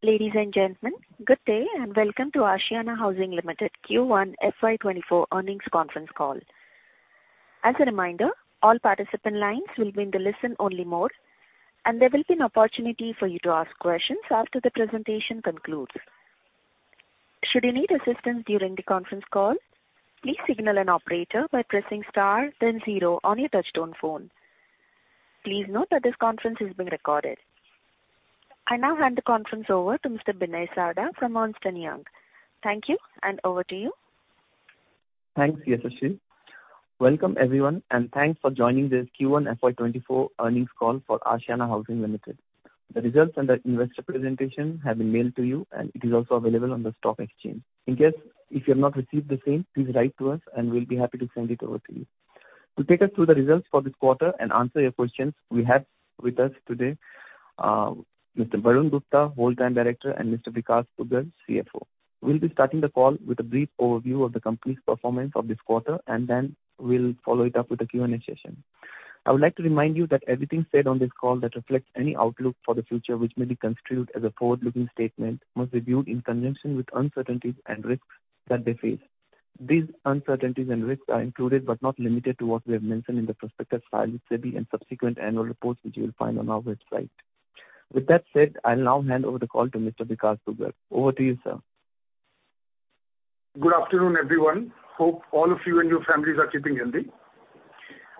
Ladies and gentlemen, good day, and Welcome to Ashiana Housing Limited Q1 FY 2024 earnings conference call. As a reminder, all participant lines will be in the listen-only mode, and there will be an opportunity for you to ask questions after the presentation concludes. Should you need assistance during the conference call, please signal an operator by pressing star then zero on your touchtone phone. Please note that this conference is being recorded. I now hand the conference over to Mr. Binay Sarda from Ernst & Young. Thank you, and over to you. Thanks, Yashashri. Welcome, everyone, and Thanks for joining this Q1 FY 2024 earnings call for Ashiana Housing Limited. The results and the investor presentation have been mailed to you, and it is also available on the stock exchange. In case if you have not received the same, please write to us, and we'll be happy to send it over to you. To take us through the results for this quarter and answer your questions, we have with us today, Mr. Varun Gupta, Whole Time Director, and Mr. Vikash Dugar, CFO. We'll be starting the call with a brief overview of the company's performance for this quarter, and then we'll follow it up with a Q&A session. I would like to remind you that everything said on this call that reflects any outlook for the future which may be construed as a forward-looking statement must be viewed in conjunction with uncertainties and risks that they face. These uncertainties and risks are included, but not limited to what we have mentioned in the prospectus filed with SEBI and subsequent annual reports, which you will find on our website. With that said, I'll now hand over the call to Mr. Vikash Dugar. Over to you, sir. Good afternoon, everyone. Hope all of you and your families are keeping healthy.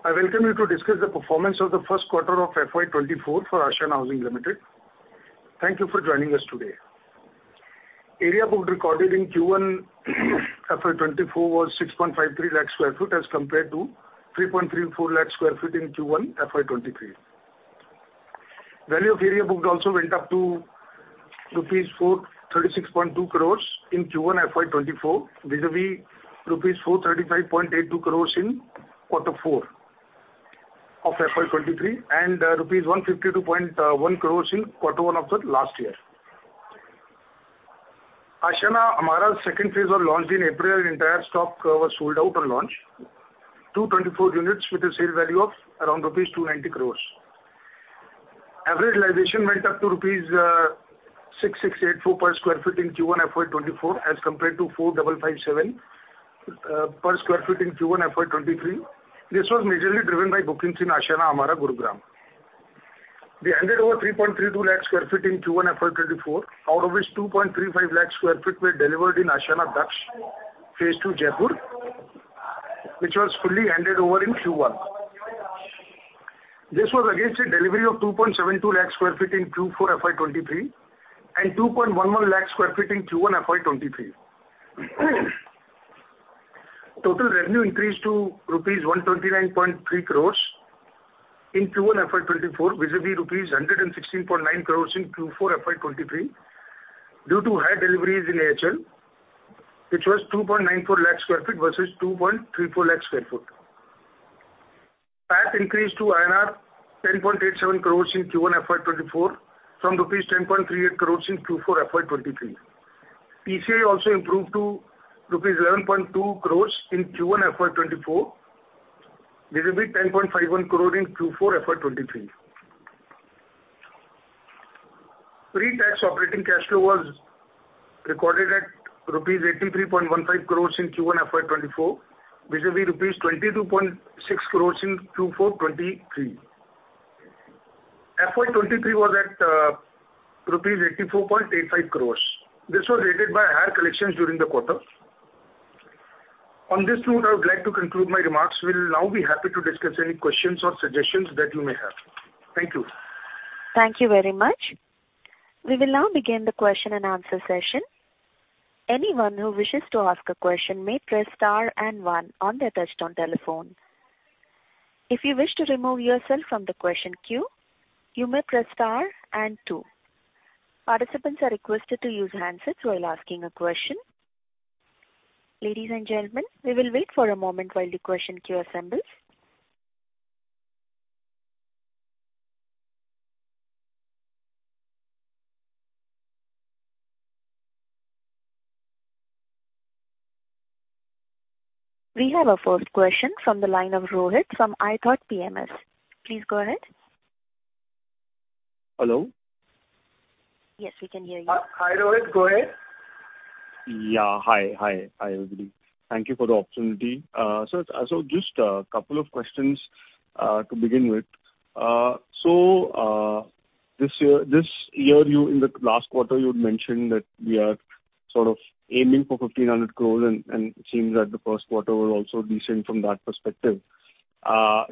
I welcome you to discuss the performance of the first quarter of FY 2024 for Ashiana Housing Limited. Thank you for joining us today. Area booked recorded in Q1 FY 2024 was 6.53 lakh sq ft as compared to 3.34 lakh sq ft in Q1 FY 2023. Value of area booked also went up to rupees 436.2 crore in Q1 FY 2024, vis-a-vis rupees 435.82 crore in quarter four of FY 2023, and rupees 152.1 crore in quarter one of the last year. Ashiana Amarah's second phase was launched in April, and entire stock was sold out on launch. 224 units with a sale value of around rupees 290 crore. Average realization went up to rupees 6,684 per sq ft in Q1 FY 2024 as compared to 4,557 per sq ft in Q1 FY 2023. This was majorly driven by bookings in Ashiana Amarah, Gurugram. We handed over 3.32 lakh sq ft in Q1 FY 2024, out of which 2.35 lakh sq ft were delivered in Ashiana Daksh, Phase Two, Jaipur, which was fully handed over in Q1. This was against a delivery of 2.72 lakh sq ft in Q4 FY 2023, and 2.11 lakh sq ft in Q1 FY 2023. Total revenue increased to rupees 129.3 crore in Q1 FY 2024, vis-a-vis rupees 116.9 crore in Q4 FY 2023, due to higher deliveries in AHL, which was 2.94 lakh sq ft versus 2.34 lakh sq ft. PAT increased to INR 10.87 crore in Q1 FY 2024 from rupees 10.38 crore in Q4 FY 2023. TCI also improved to rupees 11.2 crore in Q1 FY 2024, vis-a-vis 10.51 crore in Q4 FY 2023. Pre-tax operating cash flow was recorded at rupees 83.15 crore in Q1 FY 2024, vis-a-vis rupees 22.6 crore in Q4 2023. FY 2023 was at rupees 84.85 crore. This was aided by higher collections during the quarter. On this note, I would like to conclude my remarks. We'll now be happy to discuss any questions or suggestions that you may have. Thank you. Thank you very much. We will now begin the question and answer session. Anyone who wishes to ask a question may press star and one on their touchtone telephone. If you wish to remove yourself from the question queue, you may press star and two. Participants are requested to use handsets while asking a question. Ladies and gentlemen, we will wait for a moment while the question queue assembles. We have our first question from the line of Rohit from ithought PMS. Please go ahead. Hello? Yes, we can hear you. Hi, Rohit. Go ahead. Yeah. Hi, hi. Hi, everybody. Thank you for the opportunity. So just a couple of questions to begin with. So this year, you in the last quarter, you had mentioned that we are sort of aiming for 1,500 crore, and it seems that the first quarter was also decent from that perspective.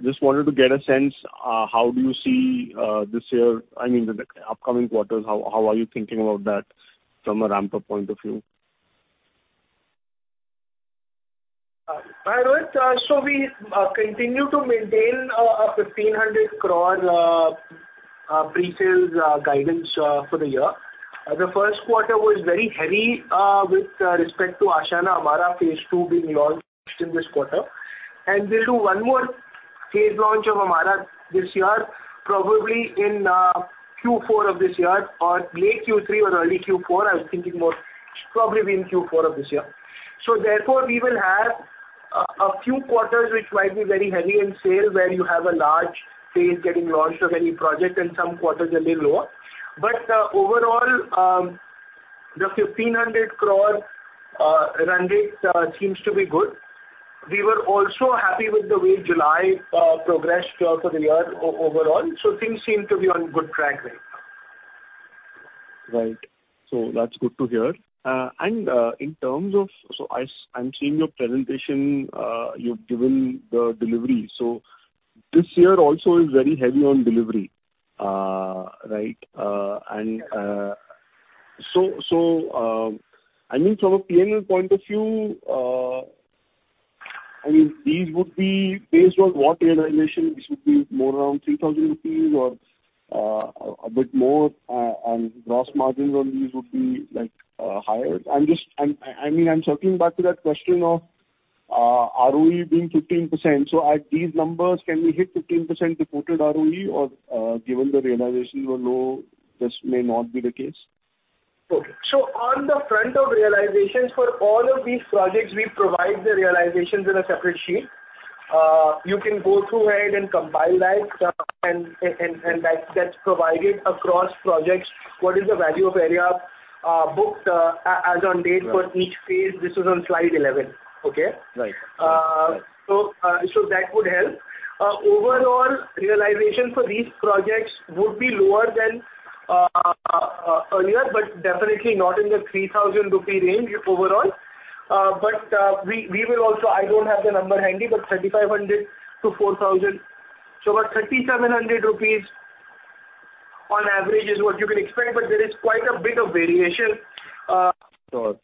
Just wanted to get a sense, how do you see this year, I mean, the upcoming quarters, how are you thinking about that from a ramp-up point of view? Hi, Rohit. So we continue to maintain a 1,500 crore pre-sales guidance for the year. The first quarter was very heavy with respect to Ashiana Amarah Phase Two being launched in this quarter. We'll do one more phase launch of Amarah this year, probably in Q4 of this year or late Q3 or early Q4, I was thinking more-... probably be in Q4 of this year. So therefore, we will have a few quarters, which might be very heavy in sales, where you have a large phase getting launched or many projects, and some quarters a little lower. But, overall, the 1,500 crore run rate seems to be good. We were also happy with the way July progressed throughout the year overall, so things seem to be on good track right now. Right. So that's good to hear. In terms of, so I'm seeing your presentation, you've given the delivery. So this year also is very heavy on delivery, right? So, so, I mean, from a P&L point of view, I mean, these would be based on what realization, this would be more around 3,000 rupees or a bit more, and gross margins on these would be, like, higher? I'm just, I'm, I mean, I'm circling back to that question of, ROE being 15%. So at these numbers, can we hit 15% reported ROE? Or, given the realization were low, this may not be the case? So on the front of realizations for all of these projects, we provide the realizations in a separate sheet. You can go through it and compile that, and that's provided across projects. What is the value of area booked as on date? Right. -for each phase? This is on slide 11. Okay? Right. So that would help. Overall, realization for these projects would be lower than earlier, but definitely not in the 3,000 rupee range overall. But we will also—I don't have the number handy, but 3,500-4,000. So about 3,700 rupees on average is what you can expect, but there is quite a bit of variation. Sure.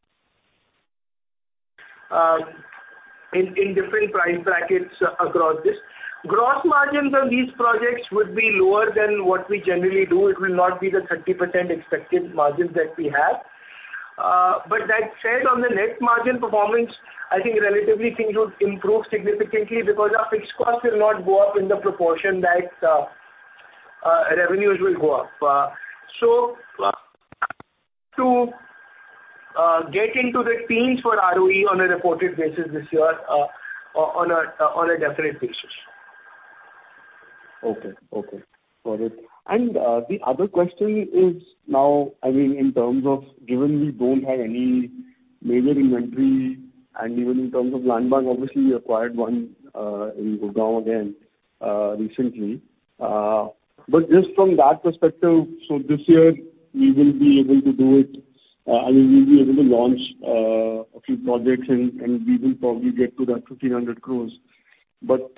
In different price brackets across this. Gross margins on these projects would be lower than what we generally do. It will not be the 30% expected margins that we have. But that said, on the net margin performance, I think relatively things would improve significantly because our fixed costs will not go up in the proportion that revenues will go up. So to get into the teens for ROE on a reported basis this year, on a definite basis. Okay. Okay, got it. And the other question is now, I mean, in terms of given we don't have any major inventory, and even in terms of land bank, obviously, you acquired one in Gurugram again recently. But just from that perspective, so this year we will be able to do it, and we will be able to launch a few projects and we will probably get to that 1,500 crore. But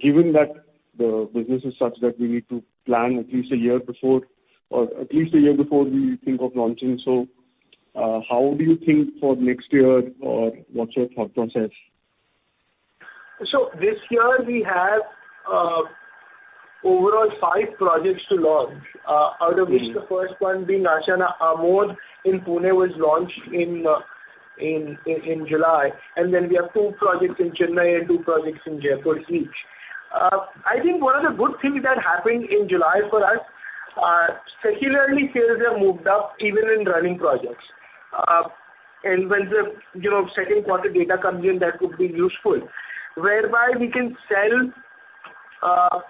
given that the business is such that we need to plan at least a year before or at least a year before we think of launching, so how do you think for next year or what's your thought process? So this year, we have, overall five projects to launch, Mm. Out of which the first one being Ashiana Amodh in Pune, was launched in July. Then we have two projects in Chennai and two projects in Jaipur each. I think one of the good things that happened in July for us, secularly sales have moved up even in running projects. And when the, you know, second quarter data comes in, that could be useful. Whereby we can sell,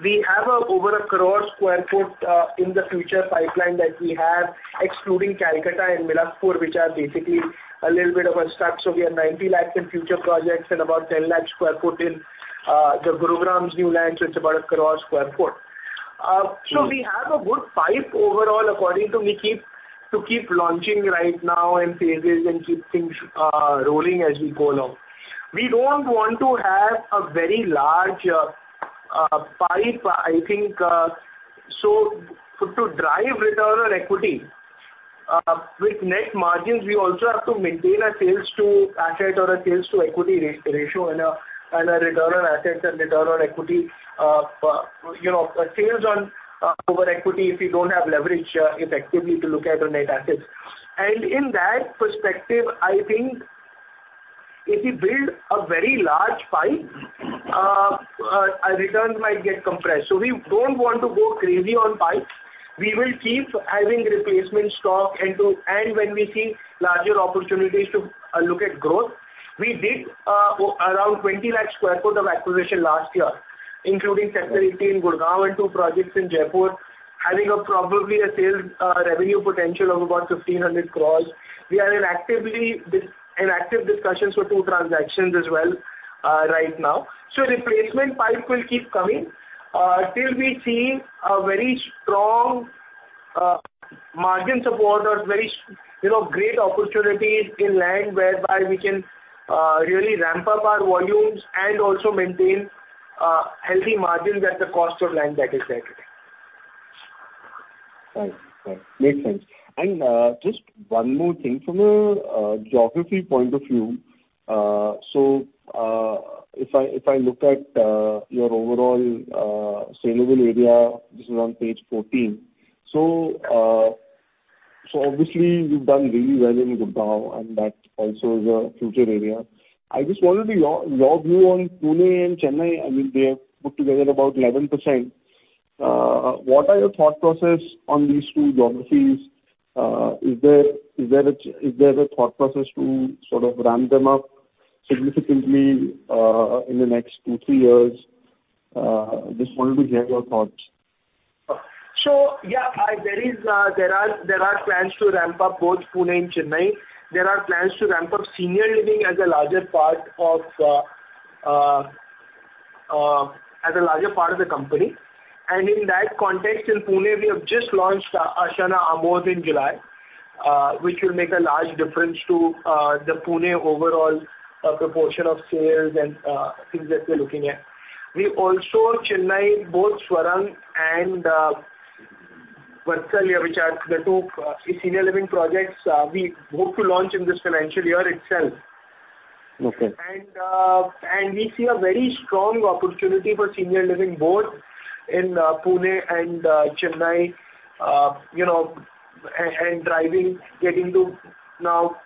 we have over a crore sq ft in the future pipeline that we have, excluding Kolkata and Milakpur, which are basically a little bit of a start. So we have 90 lakh in future projects and about 10 lakhs sq ft in the Gurugram's new land, so it's about a crore sq ft. So we have a good pipe overall, according to me, keep to keep launching right now in phases and keep things rolling as we go along. We don't want to have a very large pipe, I think. So to drive return on equity with net margins, we also have to maintain a sales to asset or a sales to equity ratio and a return on assets and return on equity, you know, sales over equity if you don't have leverage effectively to look at the net assets. And in that perspective, I think if you build a very large pipe, our returns might get compressed. So we don't want to go crazy on pipes. We will keep having replacement stock and when we see larger opportunities to look at growth. We did around 20 lakh sq ft of acquisition last year, including Sector 80, Gurugram, and two projects in Jaipur, having probably a sales revenue potential of about 1,500 crore. We are in active discussions for two transactions as well, right now. So replacement pipeline will keep coming till we see a very strong margin support or very, you know, great opportunities in land whereby we can really ramp up our volumes and also maintain healthy margins at the cost of land that is there. Right. Right. Makes sense. And just one more thing. From a geography point of view, so if I if I look at your overall saleable area, this is on page 14. So so obviously, you've done really well in Gurugram, and that also is a future area. I just wanted your your view on Pune and Chennai, I mean, they have put together about 11%.... What are your thought process on these two geographies? Is there is there a is there a thought process to sort of ramp them up significantly in the next two-three years? Just wanted to hear your thoughts. So, yeah, there are plans to ramp up both Pune and Chennai. There are plans to ramp up senior living as a larger part of the company. And in that context, in Pune, we have just launched Ashiana Amodh in July, which will make a large difference to the Pune overall proportion of sales and things that we're looking at. We also Chennai, both Swarang and Vatsalya, which are the two senior living projects, we hope to launch in this financial year itself. Okay. And we see a very strong opportunity for senior living, both in Pune and Chennai. You know, and driving, getting to now,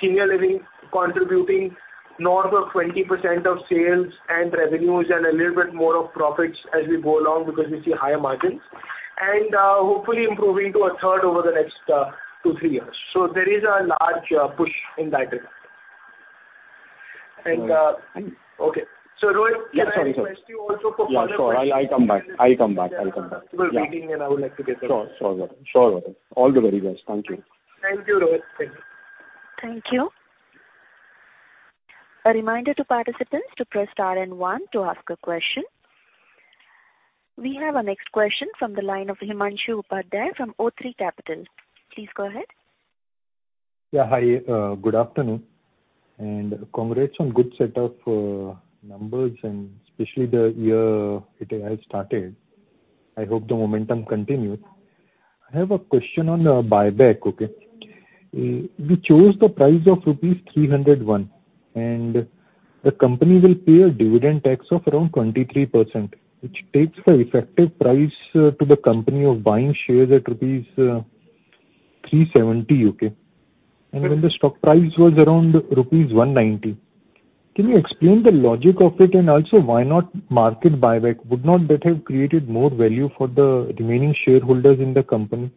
senior living, contributing north of 20% of sales and revenues and a little bit more of profits as we go along, because we see higher margins. And, hopefully improving to a third over the next two-three years. So there is a large push in that regard. And, Thank you. Okay. So Rohit- Yeah, sorry, sir. Can I request you also for further- Yeah, sure. I'll come back. I'll come back, I'll come back. Yeah. Meeting, and I would like to get back. Sure, sure, Gautam. Sure, Gautam. All the very best. Thank you. Thank you, Rohit. Thank you. Thank you. A reminder to participants to press star and one to ask a question. We have our next question from the line of Himanshu Upadhyay from o3 Capital. Please go ahead. Yeah, hi, good afternoon, and congrats on good set of numbers, and especially the year it has started. I hope the momentum continues. I have a question on buyback, okay. You chose the price of rupees 301, and the company will pay a dividend tax of around 23%, which takes the effective price to the company of buying shares at rupees 370, okay? And when the stock price was around rupees 190. Can you explain the logic of it, and also why not market buyback? Would not that have created more value for the remaining shareholders in the company?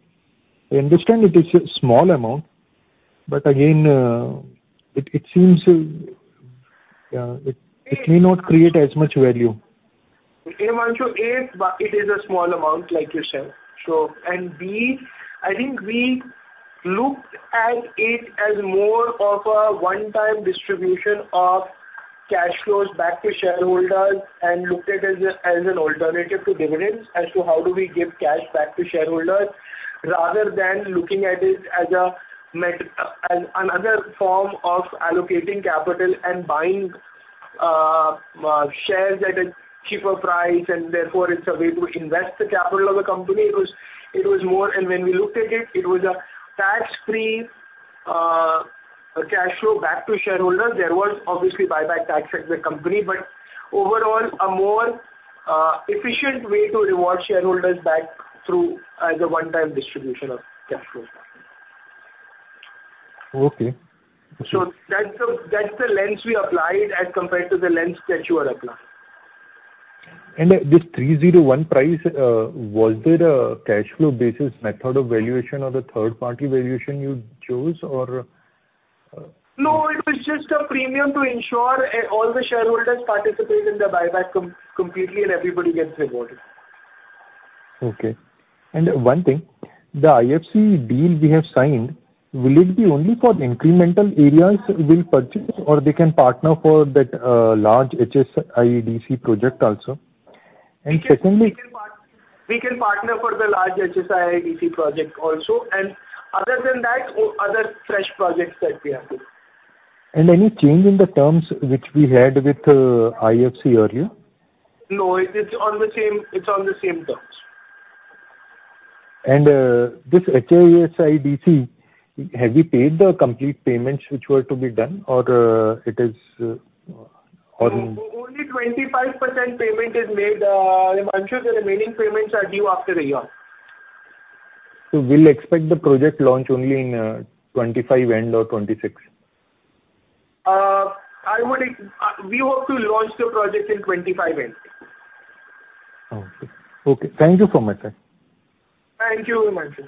I understand it is a small amount, but again, it, it seems, yeah- It- It may not create as much value. Hey, Himanshu, A, but it is a small amount, like you said. So, and B, I think we looked at it as more of a one-time distribution of cash flows back to shareholders, and looked at it as, as an alternative to dividends, as to how do we give cash back to shareholders, rather than looking at it as a me- an- another form of allocating capital and buying, shares at a cheaper price, and therefore it's a way to invest the capital of the company. It was, it was more... And when we looked at it, it was a tax-free, a cash flow back to shareholders. There was obviously buyback tax at the company, but overall, a more, efficient way to reward shareholders back through, the one-time distribution of cash flow. Okay. That's the lens we applied as compared to the lens that you are applying. This 301 price, was there a cash flow basis method of valuation or the third party valuation you chose, or? No, it was just a premium to ensure all the shareholders participate in the buyback completely, and everybody gets rewarded. Okay. And one thing, the IFC deal we have signed, will it be only for the incremental areas we'll purchase, or they can partner for that, large HSIIDC project also? And secondly- We can partner for the large HSIIDC project also, and other than that, other fresh projects that we have. Any change in the terms which we had with IFC earlier? No, it's on the same, it's on the same terms. And, this HSIIDC, have we paid the complete payments which were to be done, or, it is, on- Only 25% payment is made. Himanshu, the remaining payments are due after a year. So we'll expect the project launch only in 2025 end or 2026? We hope to launch the project in 2025 end. Okay. Okay, thank you so much, sir. Thank you, Himanshu.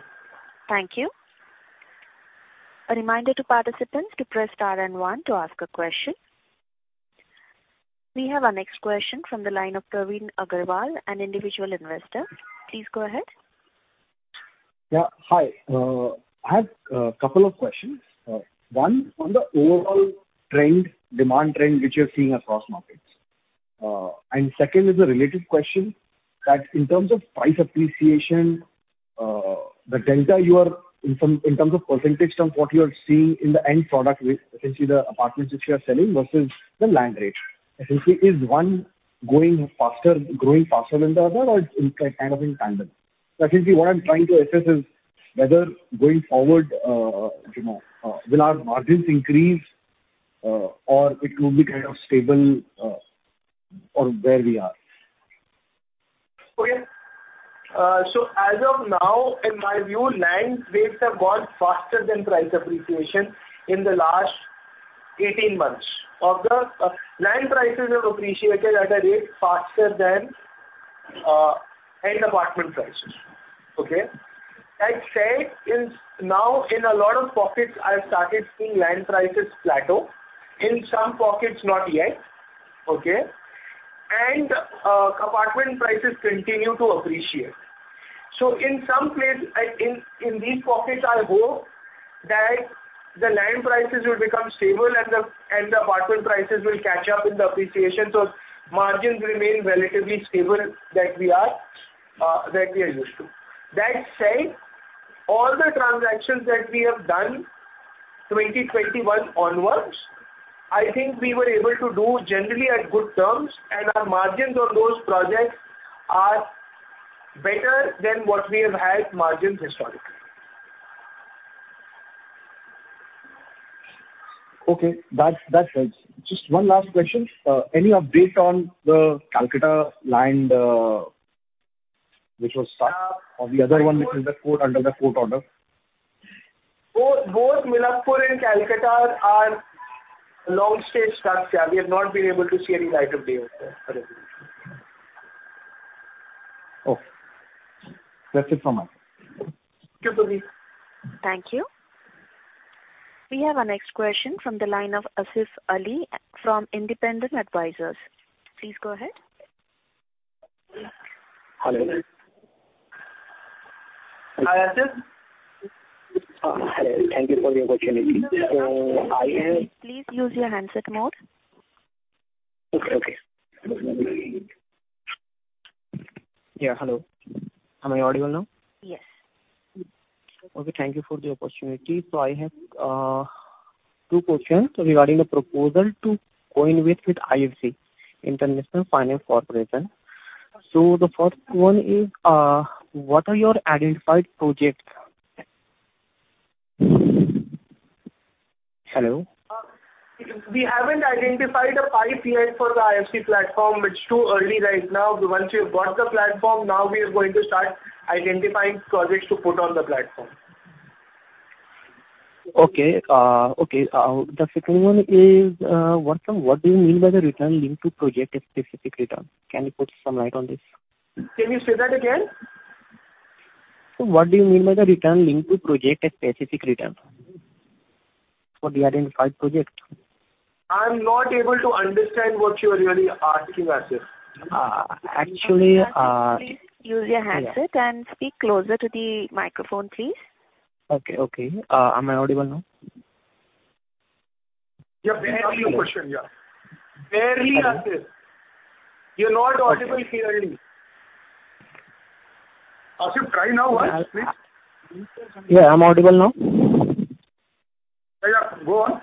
Thank you. A reminder to participants to press star and one to ask a question. We have our next question from the line of Praveen Agarwal, an individual investor. Please go ahead. Yeah, hi. I have a couple of questions. One, on the overall trend, demand trend, which you're seeing across markets. And second is a related question, that in terms of price appreciation, the delta you are... In terms, in terms of percentage terms, what you are seeing in the end product, with essentially the apartments which you are selling versus the land rate. Essentially, is one going faster, growing faster than the other, or it's, kind of, in tandem? Essentially, what I'm trying to assess is whether going forward, you know, will our margins increase, or it will be kind of stable, or where we are? Okay. So as of now, in my view, land rates have gone faster than price appreciation in the last 18 months. Land prices have appreciated at a rate faster than any apartment prices. Okay? I'd say now, in a lot of pockets, I've started seeing land prices plateau. In some pockets, not yet, okay? And apartment prices continue to appreciate. So in some places, in these pockets, I hope that the land prices will become stable and the apartment prices will catch up in the appreciation, so margins remain relatively stable, that we are used to. That said, all the transactions that we have done, 2021 onwards, I think we were able to do generally at good terms, and our margins on those projects are better than what we have had margins historically. Okay, that's it. Just one last question. Any update on the Calcutta land, which was stuck, or the other one, which is under the court order? Both, both Milakpur and Calcutta are long-stage stuck. Yeah, we have not been able to see any light of day over there for everything. Okay. That's it from me. Thank you, Praveen. Thank you. We have our next question from the line of Asif Ali from Independent Advisors. Please go ahead. Hello. Hi, Asif. Hello, thank you for the opportunity. So I am- Please use your handset mode. Okay, okay. Yeah, hello. Am I audible now? Yes. Okay, thank you for the opportunity. So I have two questions regarding the proposal to go in with, with IFC, International Finance Corporation. So the first one is, what are your identified project? Hello? We haven't identified the pipe yet for the IFC platform. It's too early right now. Once we've got the platform, now we are going to start identifying projects to put on the platform. Okay, okay. The second one is, what do you mean by the return linked to project-specific return? Can you put some light on this? Can you say that again? So what do you mean by the return linked to project-specific return for the identified project? I'm not able to understand what you are really asking, Asif. Actually, Please use your handset and speak closer to the microphone, please. Okay, okay. Am I audible now? Yeah, barely. Ask your question, yeah. Barely, Asif. You're not audible clearly. Asif, try now once, please. Yeah, I'm audible now? Yeah. Go on.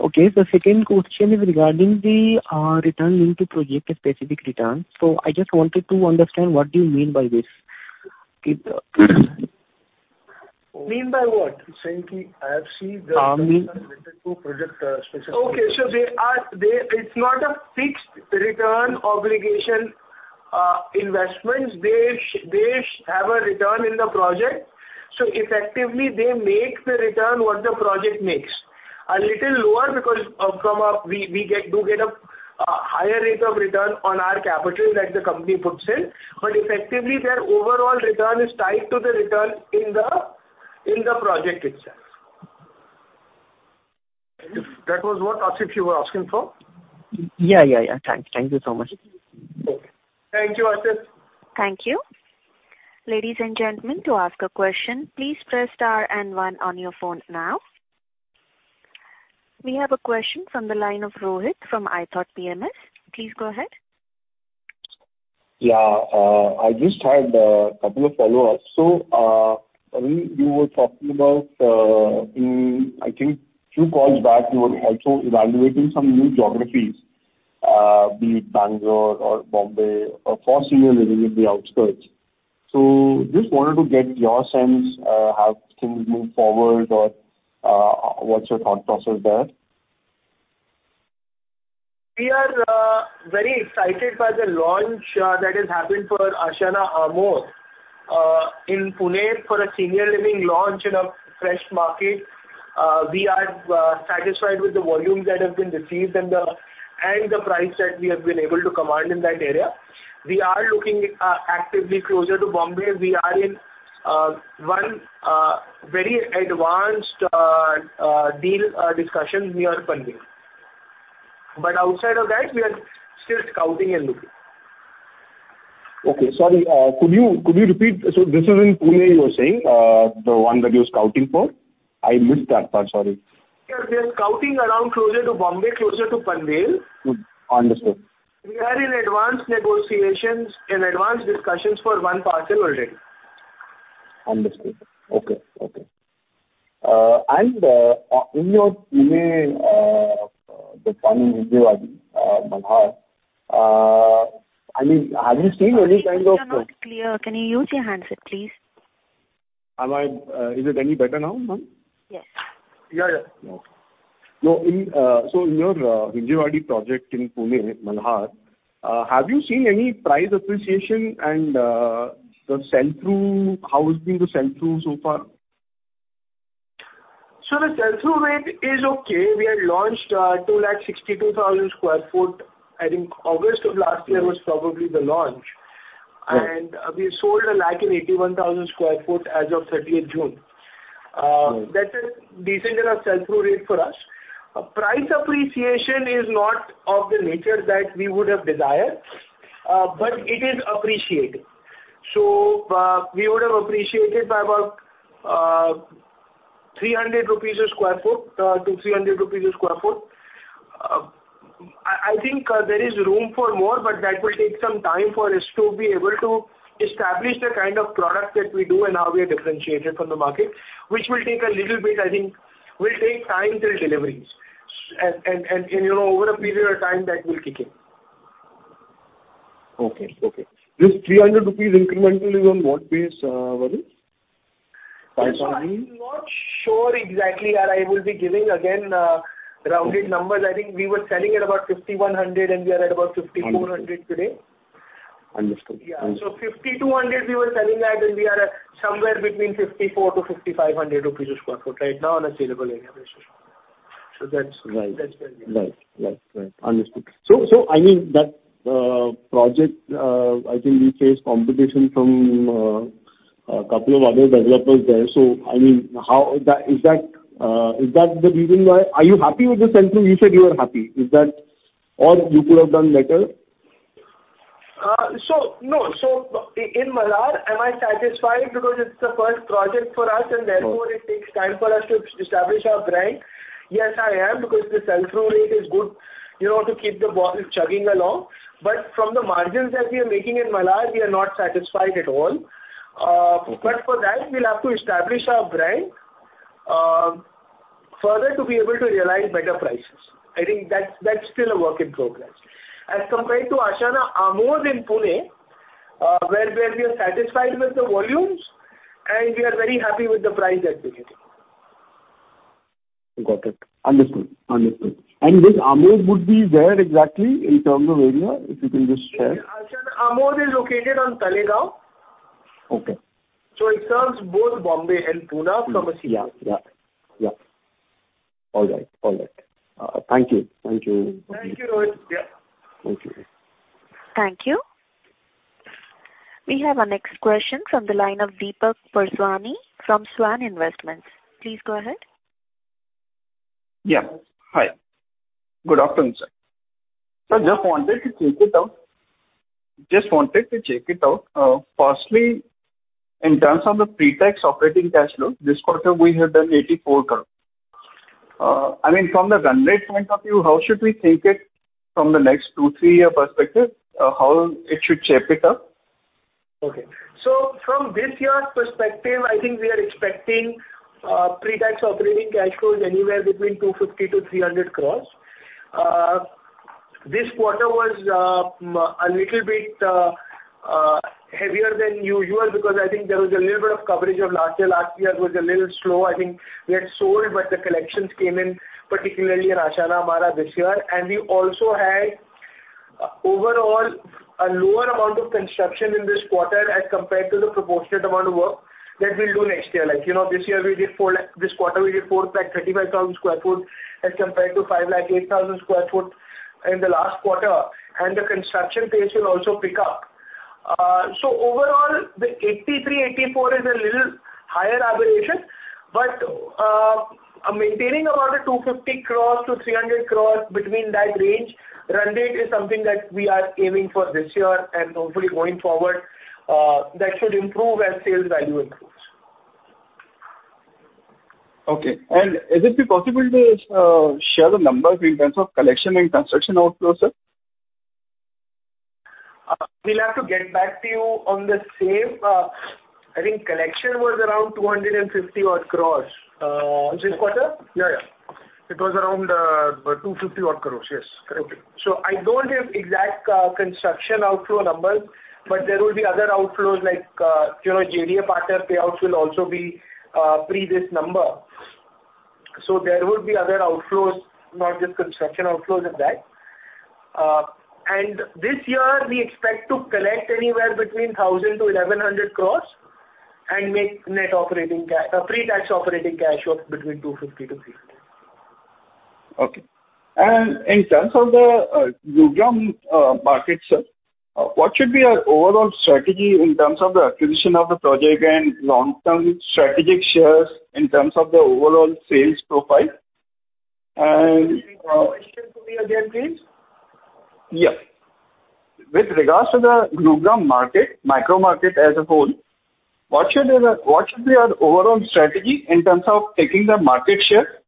Okay. The second question is regarding the return linked to project-specific return. So I just wanted to understand what do you mean by this? Mean by what? He's saying the IFC. Um, mean- Related to project, specific- Okay. So they are—it's not a fixed return obligation, investments. They have a return in the project, so effectively they make the return what the project makes. A little lower because of from we get a higher rate of return on our capital that the company puts in, but effectively their overall return is tied to the return in the project itself. That was what, Asif, you were asking for? Yeah, yeah, yeah. Thank you so much. Okay. Thank you, Asif. Thank you. Ladies and gentlemen, to ask a question, please press star and one on your phone now. We have a question from the line of Rohit from ithought PMS. Please go ahead. Yeah, I just had a couple of follow-ups. So, when you were talking about, I think few calls back, you were also evaluating some new geographies, be it Bangalore or Bombay or for senior living in the outskirts. So just wanted to get your sense, how things moved forward or, what's your thought process there? We are very excited by the launch that has happened for Ashiana Amodh. In Pune, for a senior living launch in a fresh market, we are satisfied with the volumes that have been received and the price that we have been able to command in that area. We are looking actively closer to Bombay. We are in one very advanced deal discussions near Panvel. But outside of that, we are still scouting and looking. Okay. Sorry, could you, could you repeat? So this is in Pune, you're saying, the one that you're scouting for? I missed that part, sorry. Yeah, we are scouting around closer to Bombay, closer to Panvel. Understood. We are in advanced negotiations and advanced discussions for one parcel already. Understood. Okay, okay. And, in your, the earnings review at Mumbai, I mean, have you seen any kind of- You're not clear. Can you use your handset, please?... Am I, is it any better now, ma'am? Yes. Yeah, yeah. So in your Hinjawadi project in Pune, Malhar, have you seen any price appreciation and the sell-through, how has been the sell-through so far? So the sell-through rate is okay. We had launched, 262,000 sq ft. I think August of last year was probably the launch. Right. We sold 181,000 sq ft as of 30th June. Mm. -that's a decent enough sell-through rate for us. A price appreciation is not of the nature that we would have desired, but it is appreciated. So, we would have appreciated by about 300 rupees a sq ft to 300 rupees a sq ft. I think there is room for more, but that will take some time for us to be able to establish the kind of product that we do and how we are differentiated from the market, which will take a little bit. I think it will take time till deliveries. And, you know, over a period of time that will kick in. Okay. Okay. This 300 rupees incremental is on what base, Rohit? By some- I'm not sure exactly, or I will be giving again, rounded numbers. I think we were selling at about 5,100, and we are at about 5,400 today. Understood. Yeah. Understood. So 5,200 we were selling at, and we are at somewhere between 5,400-5,500 rupees a sq ft right now on a saleable area basis. So that's- Right. That's where we are. Right. Right. Right. Understood. So, so I mean, that project, I think you face competition from a couple of other developers there. So, I mean, how... Is that, is that, is that the reason why? Are you happy with the sell-through? You said you were happy. Is that or you could have done better? So, no. So in Malhar, am I satisfied? Because it's the first project for us, and therefore- Mm. It takes time for us to establish our brand. Yes, I am, because the sell-through rate is good, you know, to keep the ball chugging along. But from the margins that we are making in Malhar, we are not satisfied at all. Okay. But for that, we'll have to establish our brand further to be able to realize better prices. I think that's still a work in progress. As compared to Ashiana Amodh in Pune, where we are satisfied with the volumes, and we are very happy with the price that we're getting. Got it. Understood. Understood. And this Amodh would be where exactly in terms of area, if you can just share? Ashiana Amodh is located on Talegaon. Okay. It serves both Bombay and Pune from a city. Yeah. Yeah. Yeah. All right. All right. Thank you. Thank you, Rohit. Thank you, Rohit. Yeah. Thank you. Thank you. We have our next question from the line of Deepak Purswani from Svan Investments. Please go ahead. Yeah, hi. Good afternoon, sir. So just wanted to check it out, just wanted to check it out. Firstly, in terms of the pre-tax operating cash flow, this quarter, we have done 84 crore. I mean, from the run rate point of view, how should we take it from the next two, three-year perspective? How it should shape it up? Okay. So from this year's perspective, I think we are expecting pre-tax operating cash flows anywhere between 250 crore-300 crore. This quarter was a little bit heavier than usual, because I think there was a little bit of coverage of last year. Last year was a little slow. I think we had sold, but the collections came in, particularly in Ashiana Amarah this year. And we also had overall a lower amount of construction in this quarter as compared to the proportionate amount of work that we'll do next year. Like, you know, this quarter, we did 435,000 sq ft as compared to 508,000 sq ft in the last quarter, and the construction pace will also pick up. Overall, the 83/84 is a little higher aberration, but maintaining around 250 crores-300 crores between that range, run rate is something that we are aiming for this year, and hopefully going forward, that should improve as sales value improves. Okay. Would it be possible to share the numbers in terms of collection and construction outflow, sir? We'll have to get back to you on the same. I think collection was around 250-odd crore, this quarter? Yeah, yeah. It was around 250-odd crore. Yes, correct. Okay. So I don't have exact, construction outflow numbers, but there will be other outflows like, you know, JDA partner payouts will also be, pre this number. So there will be other outflows, not just construction outflows at that. And this year, we expect to collect anywhere between 1,000 crore and 1,100 crore and make pre-tax operating cash flow between 250 crore and INR 350 crore. Okay. In terms of the Gurugram market, sir, what should be our overall strategy in terms of the acquisition of the project and long-term strategic shares in terms of the overall sales profile? And Can you repeat the question for me again, please? Yeah. With regards to the Gurugram market, micro market as a whole, what should be the, what should be our overall strategy in terms of taking the market share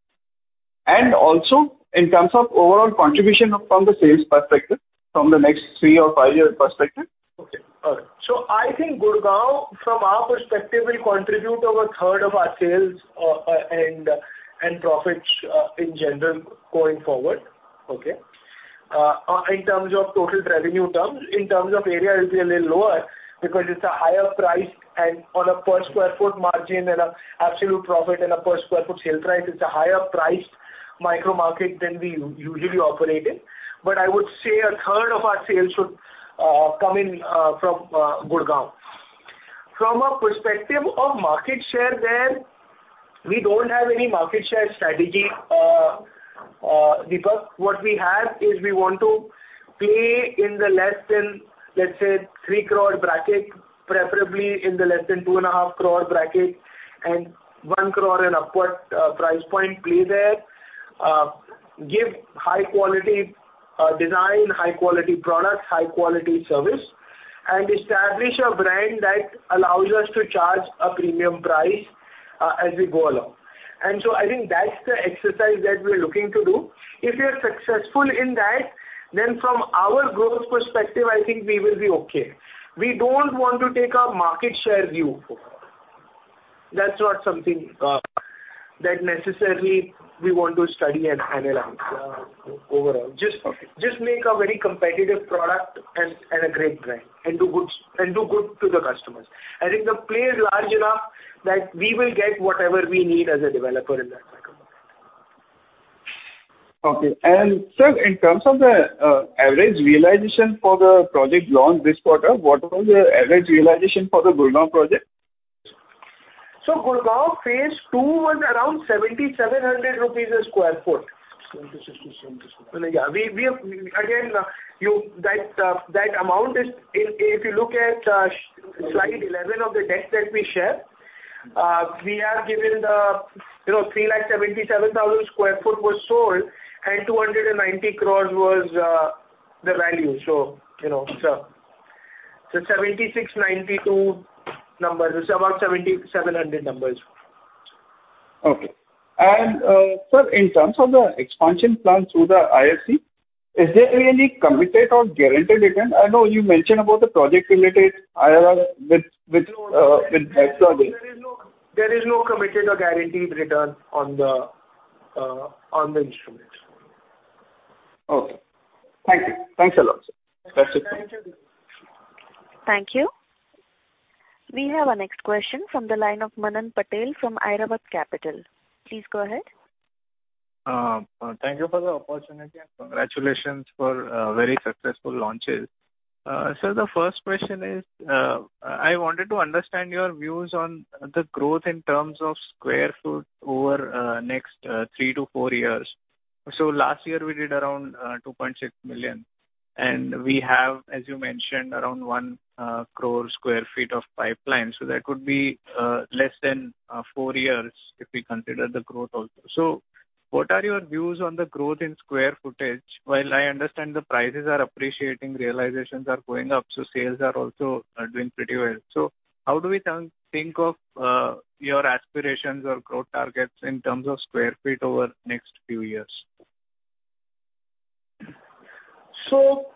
and also in terms of overall contribution from the sales perspective, from the next three or five-year perspective? Okay, all right. So I think Gurugram, from our perspective, will contribute over a third of our sales, and profits, in general, going forward. Okay? In terms of total revenue terms, in terms of area, it'll be a little lower because it's a higher price and on a per square foot margin and an absolute profit and a per square foot sale price, it's a higher priced micro market than we usually operate in. But I would say a third of our sales should come in from Gurugram. From a perspective of market share there, we don't have any market share strategy, because what we have is we want to play in the less than, let's say, 3 crore bracket, preferably in the less than 2.5 crore bracket, and 1 crore and upward, price point play there. Give high quality design, high quality product, high quality service, and establish a brand that allows us to charge a premium price, as we go along. And so I think that's the exercise that we're looking to do. If we are successful in that, then from our growth perspective, I think we will be okay. We don't want to take a market share view. That's not something that necessarily we want to study and analyze, overall. Just make a very competitive product and a great brand, and do good to the customers. I think the play is large enough that we will get whatever we need as a developer in that micro market. Okay. And sir, in terms of the average realization for the project launched this quarter, what was the average realization for the Gurugram project? Gurugram Phase Two was around INR 7,700 a sq ft. INR 7,600-INR 7,700. Yeah, we again, you that amount is if you look at slide 11 of the deck that we shared, we have given the, you know, 377,000 sq ft was sold, and 290 crore was the value. So, you know, so, so 76.92 numbers, it's about 7,700 numbers. Okay. And, sir, in terms of the expansion plan through the IFC, is there any committed or guaranteed return? I know you mentioned about the project-related IRR with, with, with- There is no, there is no committed or guaranteed return on the, on the instruments. Okay. Thank you. Thanks a lot, sir. That's it. Thank you. We have our next question from the line of Manan Patel from Edelweiss Capital. Please go ahead. Thank you for the opportunity, and congratulations for very successful launches. The first question is, I wanted to understand your views on the growth in terms of square foot over next three-four years. Last year, we did around 2.6 million, and we have, as you mentioned, around 1 crore sq ft of pipeline. That could be less than four years if we consider the growth also. What are your views on the growth in sq ft? While I understand the prices are appreciating, realizations are going up, so sales are also doing pretty well. How do we think of your aspirations or growth targets in terms of square feet over the next few years? So,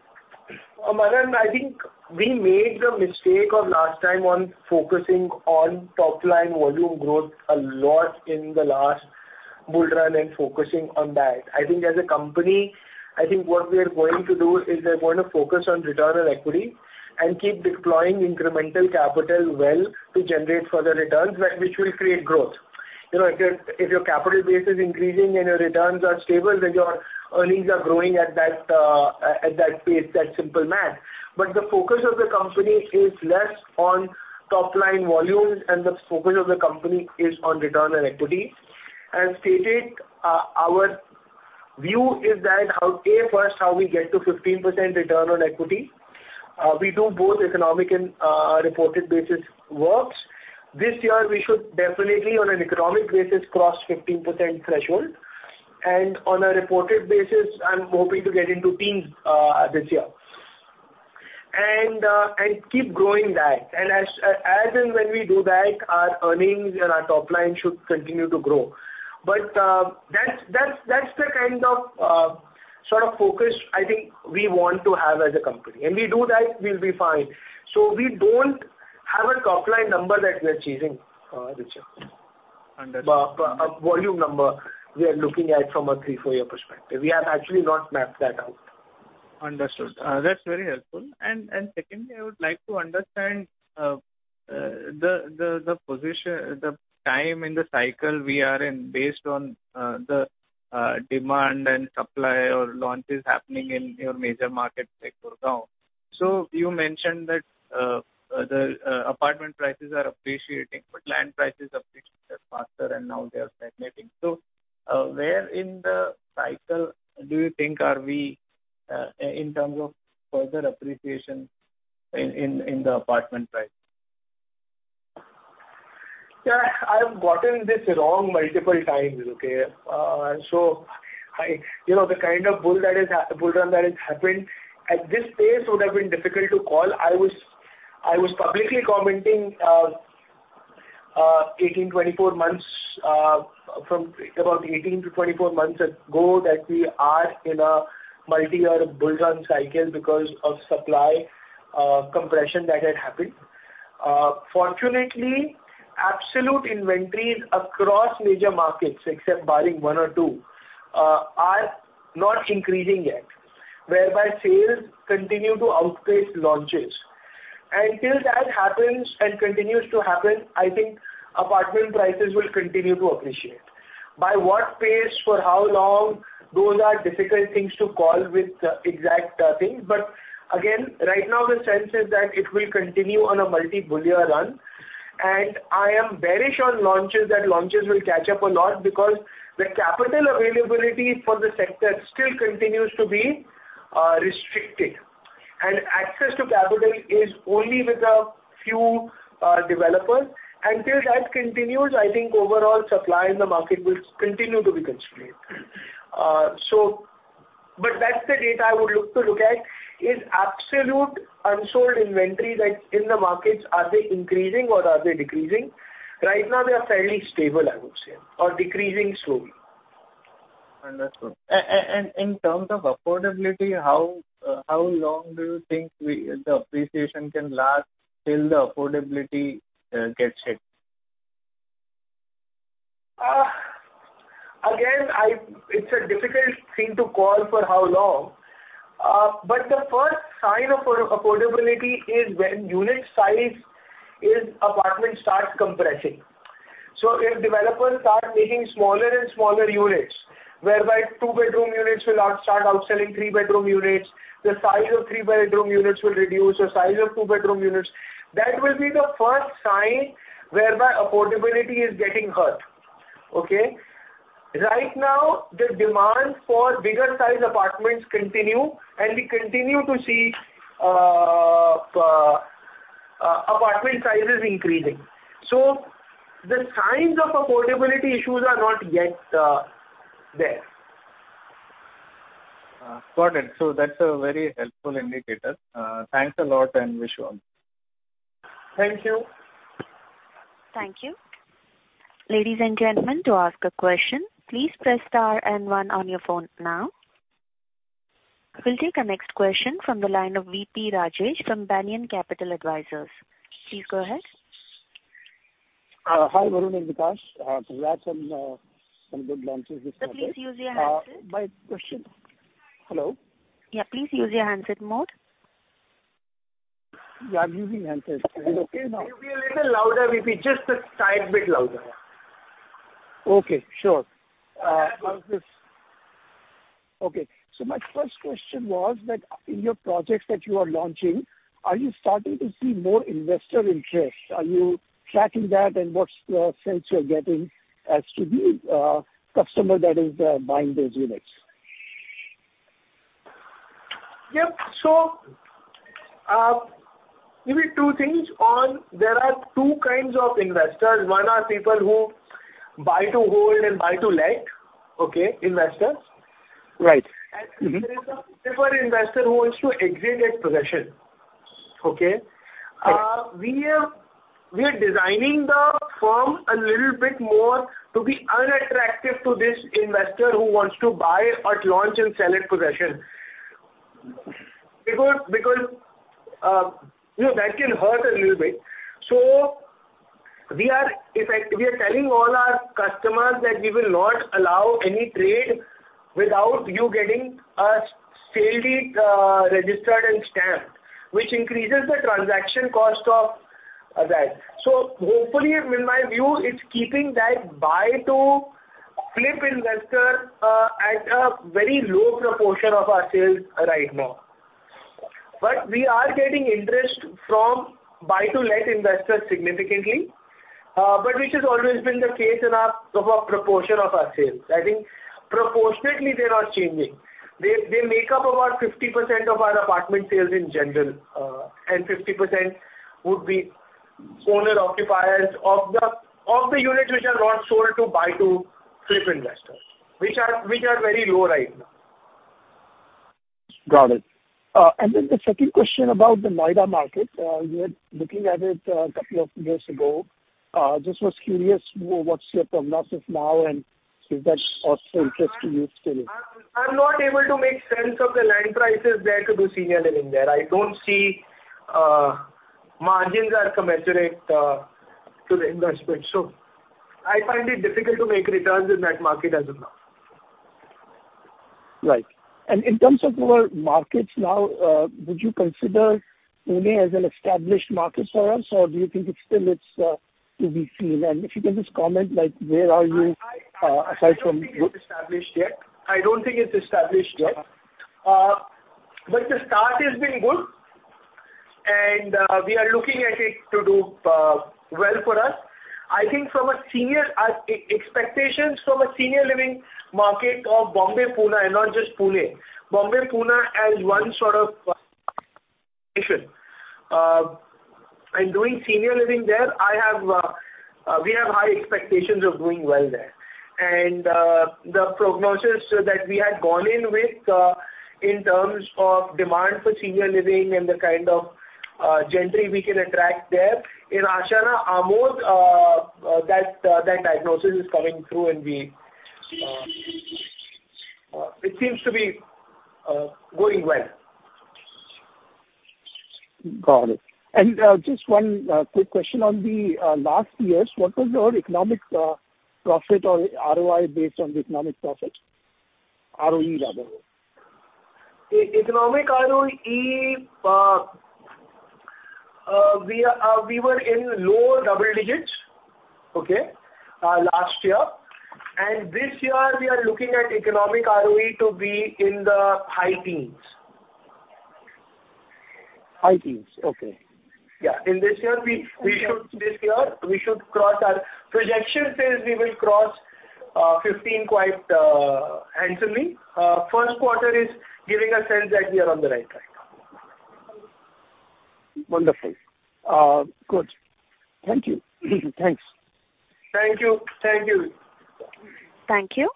Manan, I think we made the mistake of last time on focusing on top line volume growth a lot in the last bull run and focusing on that. I think as a company, I think what we are going to do is we're going to focus on return on equity and keep deploying incremental capital well to generate further returns, which will create growth. You know, if your, if your capital base is increasing and your returns are stable, then your earnings are growing at that, at that pace, that's simple math. But the focus of the company is less on top line volumes, and the focus of the company is on return on equity. As stated, our view is that how, first, how we get to 15% return on equity. We do both economic and reported basis works. This year, we should definitely, on an economic basis, cross 15% threshold, and on a reported basis, I'm hoping to get into teens, this year. And, and keep growing that. And as, as and when we do that, our earnings and our top line should continue to grow. But, that's, that's, that's the kind of, sort of focus I think we want to have as a company. And we do that, we'll be fine. So we don't have a top line number that we're chasing, in the chat. Understood. But a volume number we are looking at from a three-four-year perspective. We have actually not mapped that out. Understood. That's very helpful. And secondly, I would like to understand the position, the time in the cycle we are in, based on the demand and supply or launches happening in your major markets like Gurugram. So you mentioned that the apartment prices are appreciating, but land prices appreciate faster and now they are stagnating. So, where in the cycle do you think we are in terms of further appreciation in the apartment price? Yeah, I have gotten this wrong multiple times, okay? So I-- you know, the kind of bull that has happened, bull run that has happened at this phase would have been difficult to call. I was publicly commenting, 18 months-24 months, from about 18 months-24 months ago, that we are in a multi-year bull run cycle because of supply compression that had happened. Fortunately, absolute inventories across major markets, except barring one or two, are not increasing yet, whereby sales continue to outpace launches. And till that happens and continues to happen, I think apartment prices will continue to appreciate. By what pace, for how long? Those are difficult things to call with exact thing. But again, right now, the sense is that it will continue on a multi-bull year run, and I am very sure launches, that launches will catch up a lot, because the capital availability for the sector still continues to be restricted. And access to capital is only with a few developers. Until that continues, I think overall supply in the market will continue to be constrained. So, but that's the data I would look at, is absolute unsold inventory that's in the markets, are they increasing or are they decreasing? Right now, they are fairly stable, I would say, or decreasing slowly. Understood. And in terms of affordability, how long do you think the appreciation can last till the affordability gets hit? Again, it's a difficult thing to call for how long. But the first sign of affordability is when unit size in apartment starts compressing. So if developers start making smaller and smaller units, whereby two-bedroom units will now start outselling three-bedroom units, the size of three-bedroom units will reduce, the size of two-bedroom units... That will be the first sign whereby affordability is getting hurt. Okay? Right now, the demand for bigger size apartments continue, and we continue to see, apartment sizes increasing. So the signs of affordability issues are not yet, there. Got it. So that's a very helpful indicator. Thanks a lot, and wish you well. Thank you. Thank you. Ladies and gentlemen, to ask a question, please press star and one on your phone now. We'll take our next question from the line of V.P. Rajesh from Banyan Capital Advisors. Please go ahead. Hi, Varun and Vikash. Congrats on some good launches this quarter. Sir, please use your handset. My question... Hello? Yeah, please use your handset mode. Yeah, I'm using handset. Is it okay now? Can you be a little louder, V.P.? Just a tiny bit louder. Okay, sure. How is this? Okay, so my first question was that in your projects that you are launching, are you starting to see more investor interest? Are you tracking that, and what's the sense you're getting as to the customer that is buying those units? Yep. So, maybe two things. One, there are two kinds of investors. One are people who buy to hold and buy to let, okay, investors. Right. Mm-hmm. There is a different investor who wants to exit at possession, okay? Right. We are, we are designing the firm a little bit more to be unattractive to this investor who wants to buy at launch and sell at possession. Because, because, you know, that can hurt a little bit. So we are telling all our customers that we will not allow any trade without you getting a sale deed, registered and stamped, which increases the transaction cost of that. So hopefully, in my view, it's keeping that buy-to-flip investor at a very low proportion of our sales right now. But we are getting interest from buy-to-let investors significantly, but which has always been the case in our, of our proportion of our sales. I think proportionately, they're not changing. They make up about 50% of our apartment sales in general, and 50% would be owner-occupiers of the units which are not sold to buy-to-flip investors, which are very low right now. Got it. And then the second question about the Noida market. Just was curious what's your prognosis now, and is that of interest to you still? I'm not able to make sense of the land prices there to do senior living there. I don't see margins are commensurate to the investment. So I find it difficult to make returns in that market as of now. Right. In terms of your markets now, would you consider Pune as an established market for us, or do you think it's still to be seen? If you can just comment, like, where are you aside from- I don't think it's established yet. I don't think it's established yet. Uh- But the start has been good, and we are looking at it to do well for us. I think from a senior expectations from a senior living market of Bombay, Pune, and not just Pune. Bombay, Pune, as one sort of nation. And doing senior living there, I have we have high expectations of doing well there. And the prognosis that we had gone in with in terms of demand for senior living and the kind of gentry we can attract there, in Ashiana Amodh, that that diagnosis is coming through, and we... It seems to be going well. Got it. And just one quick question on the last years, what was your economic profit or ROI based on the economic profit? ROE rather. Economic ROE, we were in lower double digits, okay, last year, and this year we are looking at economic ROE to be in the high teens. High teens, okay. Yeah. In this year, we should cross our projection. Projection says we will cross 15 quite handsomely. First quarter is giving a sense that we are on the right track. Wonderful. Good. Thank you. Thanks. Thank you. Thank you. Thank you.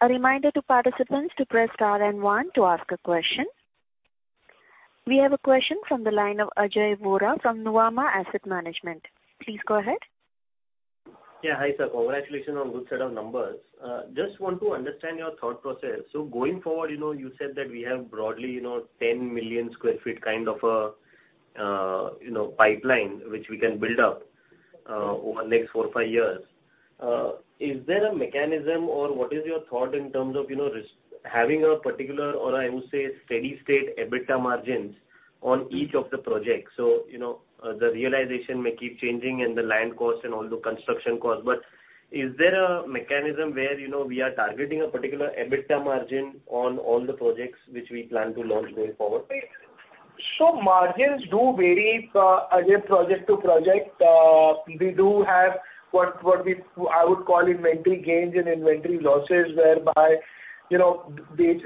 A reminder to participants to press star and one to ask a question. We have a question from the line of Ajay Vora from Nuvama Asset Management. Please go ahead. Yeah, hi, sir. Congratulations on good set of numbers. Just want to understand your thought process. So going forward, you know, you said that we have broadly, you know, 10 million sq ft kind of a pipeline, which we can build up over the next four-five years. Is there a mechanism or what is your thought in terms of, you know, having a particular or I would say, steady state EBITDA margins on each of the projects? So, you know, the realization may keep changing and the land costs and all the construction costs, but is there a mechanism where, you know, we are targeting a particular EBITDA margin on all the projects which we plan to launch going forward? So margins do vary, Ajay, project to project. We do have what we, I would call inventory gains and inventory losses, whereby, you know, the,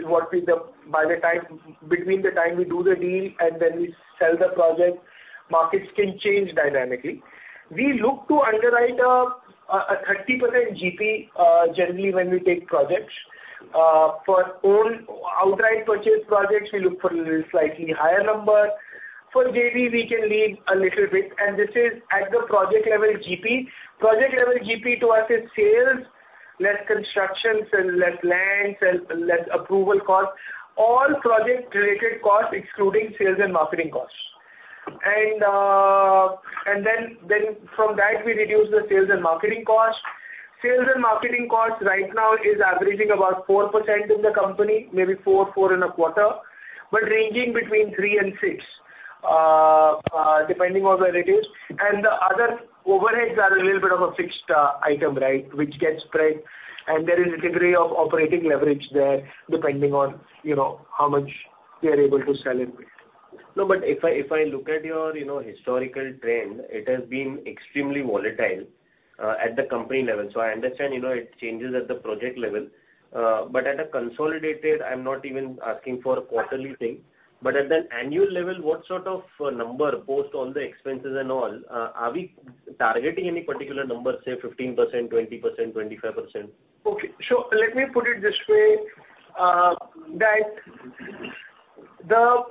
by the time, between the time we do the deal and when we sell the project, markets can change dynamically. We look to underwrite a 30% GP, generally when we take projects. For own outright purchase projects, we look for a little slightly higher number. For JV, we can leave a little bit, and this is at the project level GP. Project level GP to us is sales, less constructions and less land, sell, less approval costs, all project-related costs excluding sales and marketing costs. And then from that we reduce the sales and marketing costs. Sales and marketing costs right now is averaging about 4% in the company, maybe 4%, 4.25%, but ranging between 3%-6%, depending on where it is. And the other overheads are a little bit of a fixed item, right, which gets spread, and there is a degree of operating leverage there, depending on, you know, how much we are able to sell it. No, but if I, if I look at your, you know, historical trend, it has been extremely volatile at the company level. So I understand, you know, it changes at the project level. But at a consolidated, I'm not even asking for a quarterly thing, but at an annual level, what sort of number, post all the expenses and all, are we targeting any particular number, say 15%, 20%, 25%? Okay. So let me put it this way, that the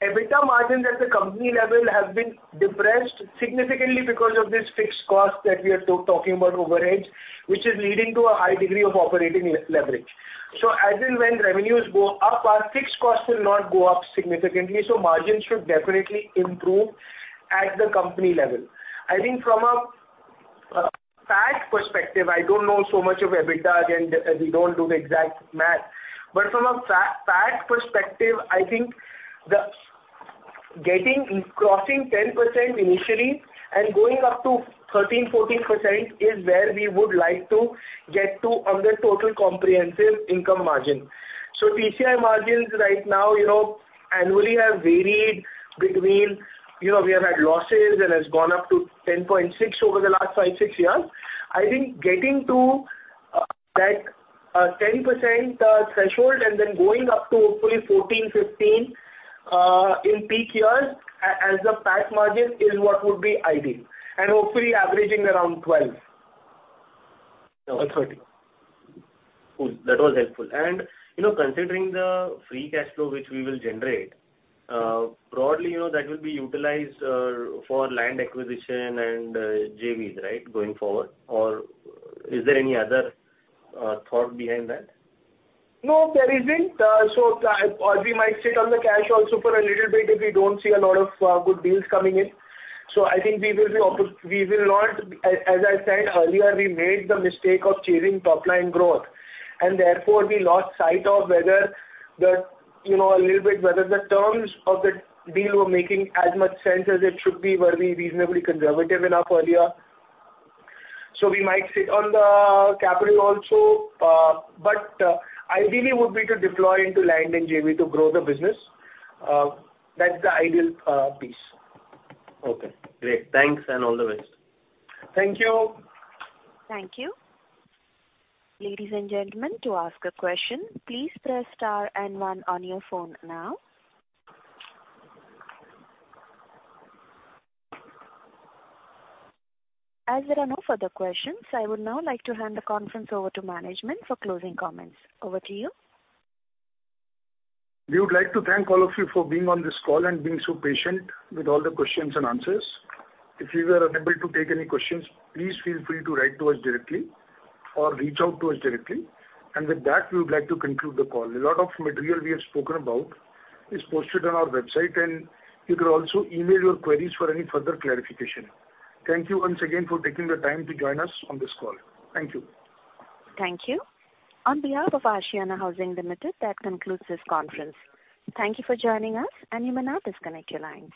EBITDA margin at the company level has been depressed significantly because of this fixed cost that we are talking about, overhead, which is leading to a high degree of operating leverage. So as and when revenues go up, our fixed costs will not go up significantly, so margins should definitely improve at the company level. I think from a PAT perspective, I don't know so much of EBITDA, and we don't do the exact math, but from a PAT perspective, I think the getting, crossing 10% initially and going up to 13%-14% is where we would like to get to on the total comprehensive income margin. So TCI margins right now, you know, annually have varied between, you know, we have had losses and has gone up to 10.6% over the last five, six years. I think getting to, that, 10% threshold, and then going up to hopefully 14%, 15%, in peak years as a PAT margin is what would be ideal, and hopefully averaging around 12%.... Cool, that was helpful. And, you know, considering the free cash flow which we will generate, broadly, you know, that will be utilized, for land acquisition and, JVs, right, going forward? Or is there any other, thought behind that? No, there isn't. So I, we might sit on the cash also for a little bit if we don't see a lot of good deals coming in. So I think we will not... as I said earlier, we made the mistake of chasing top line growth, and therefore we lost sight of whether the, you know, a little bit, whether the terms of the deal were making as much sense as it should be, were we reasonably conservative enough earlier. So we might sit on the capital also, but, ideally would be to deploy into land and JV to grow the business. That's the ideal piece. Okay, great. Thanks and all the best. Thank you. Thank you. Ladies and gentlemen, to ask a question, please press star and one on your phone now. As there are no further questions, I would now like to hand the conference over to management for closing comments. Over to you. We would like to thank all of you for being on this call and being so patient with all the questions and answers. If we were unable to take any questions, please feel free to write to us directly or reach out to us directly. With that, we would like to conclude the call. A lot of material we have spoken about is posted on our website, and you can also email your queries for any further clarification. Thank you once again for taking the time to join us on this call. Thank you. Thank you. On behalf of Ashiana Housing Limited, that concludes this conference. Thank you for joining us, and you may now disconnect your lines.